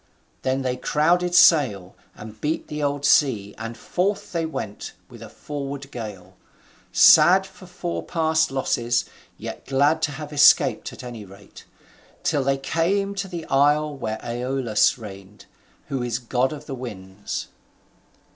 Then they crowded sail, and beat the old sea, and forth they went with a forward gale; sad for fore past losses, yet glad to have escaped at any rate; till they came to the isle where Aeolus reigned, who is god of the winds.